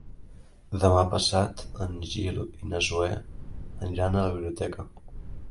Demà passat en Gil i na Zoè aniran a la biblioteca.